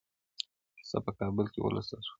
کيسه په کابل کي ولوستل سوه,